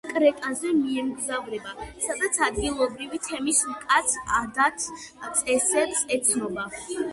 ის კრეტაზე მიემგზავრება, სადაგ ადგილობრივი თემის მკაცრ ადათ-წესებს ეცნობა.